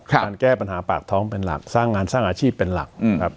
การแก้ปัญหาปากท้องเป็นหลักสร้างงานสร้างอาชีพเป็นหลักครับ